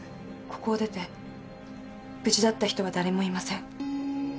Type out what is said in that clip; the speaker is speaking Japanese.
ここを出て無事だった人は誰もいません。